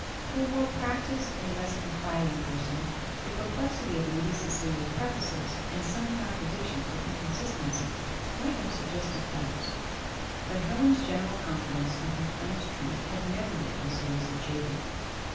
To a more practised, a less confiding, person the perplexity of Lady Cecilia's prefaces, and some contradictions or inconsistencies, might have suggested doubts; but Helen's general confidence in her friend's truth had never yet been seriously shaken.